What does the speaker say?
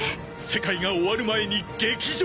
世界が終わる前に劇場へ